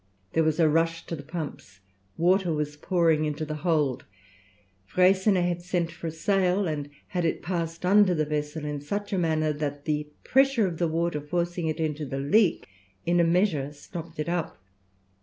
There was a rush to the pumps. Water was pouring into the hold. Freycinet had sent for a sail, and had it passed under the vessel in such a manner that the pressure of the water forcing it into the leak in a measure stopped it up.